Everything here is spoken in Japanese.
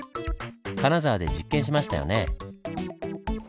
金沢で実験しましたよね。